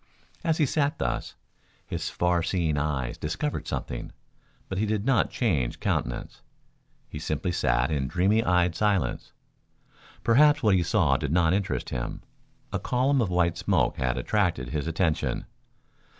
As he sat thus, his far seeing eyes discovered something, but he did not change countenance. He simply sat in dreamy eyed silence. Perhaps what he saw did not interest him. A column of white smoke had attracted his attention.